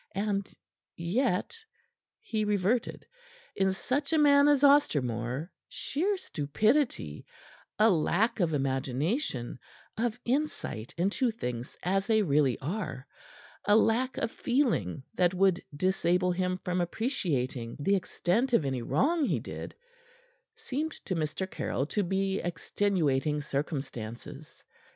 And yet he reverted in such a man as Ostermore, sheer stupidity, a lack of imagination, of insight into things as they really are, a lack of feeling that would disable him from appreciating the extent of any wrong he did, seemed to Mr. Caryll to be extenuating circumstances.